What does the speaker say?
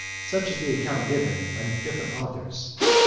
Such is the account given (72) by different authors.